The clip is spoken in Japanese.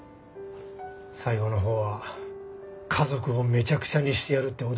最後のほうは家族をめちゃくちゃにしてやるって脅してきてな。